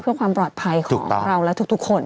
เพื่อความปลอดภัยของเราและทุกคน